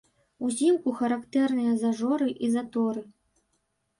Узімку характэрныя зажоры і заторы.